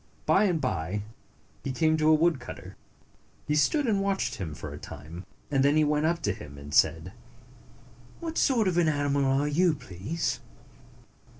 By and by, he came to a woodcutter. He stood and watched him for a time, and then he went up to him, and said, "What sort of an animal are you, please?"